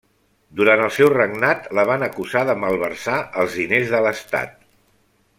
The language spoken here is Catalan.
Durant el seu regnat la van acusar de malversar els diners de l'Estat.